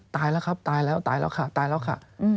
ตายแล้วครับตายแล้วตายแล้วค่ะ